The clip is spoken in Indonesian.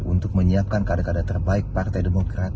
untuk menyiapkan kade kade terbaik partai demokrat